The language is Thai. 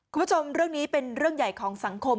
คุณผู้ชมเรื่องนี้เป็นเรื่องใหญ่ของสังคม